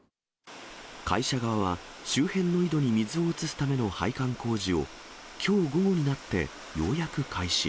会社側は、周辺の井戸に水を移すための配管工事を、きょう午後になってようやく開始。